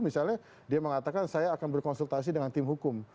misalnya dia mengatakan saya akan berkonsultasi dengan tim hukum